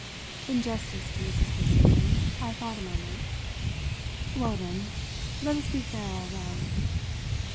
In justice to Mrs. Brissenden I thought a moment. "Well, then, let us be fair all round.